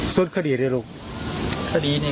ทุกคนวังว่าในการคดี